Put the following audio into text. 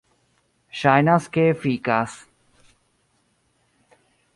Ŝajnas ke efikas.